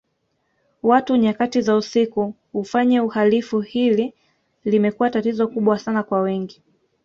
Watu nyakati za usiku ufanya uhalifu hili limekuwa tatizo kubwa Sana kwa wengi